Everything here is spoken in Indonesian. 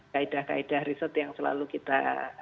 kaedah kaedah riset yang selalu kita